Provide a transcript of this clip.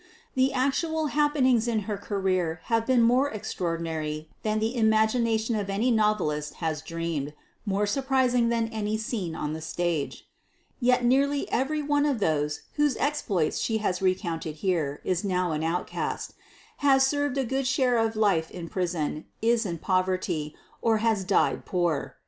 The actual happenings in her career have been more extraordinary than the imagination of any novelist has dreamed; more surprising than any scene on the stage. Yet nearly every one of those whose exploits she has recounted here is now an outcast, has served a good share of life in prison, is in poverty, or has died poor.